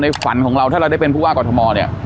ฝันของเราถ้าเราได้เป็นผู้ว่ากรทมเนี่ย